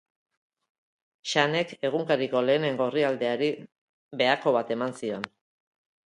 Xanek egunkariko lehenengo orrialdeari behako bat eman zion.